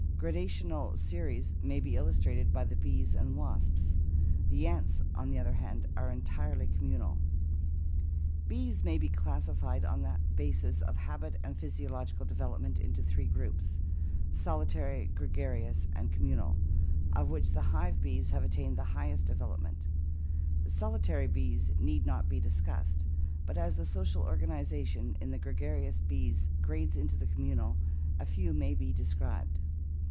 Gradational series may be illustrated by the bees and wasps. The ants, on the other hand, are entirely communal. Bees may be classified on the basis of habit and physiological development into three groups, solitary, gregarious, and com munal, of which the hive bees have attained the highest develop ment. The solitary bees need not be discussed, but as the social organization in the gregarious bees grades into the communal, a few may be described.